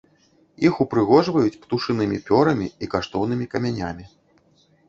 Іх ўпрыгожваюць птушынымі пёрамі і каштоўнымі камянямі.